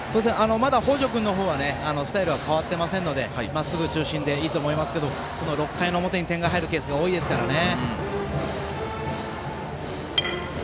まだ北條君の方のスタイルは変わってませんのでまっすぐ中心でいいと思いますが６回の表に点が入るケースが多いですからね。